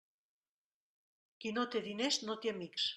Qui no té diners no té amics.